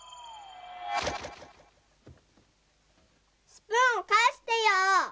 スプーンをかえしてよ！